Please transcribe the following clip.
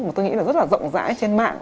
mà tôi nghĩ là rất là rộng rãi trên mạng